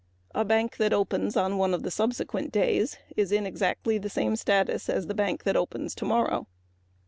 A bank that opens on one of the subsequent days is in exactly the same status as the bank that opens tomorrow.